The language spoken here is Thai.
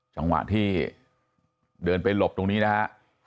จังหวะที่เดินไปหลบตรงนี้นะฮะ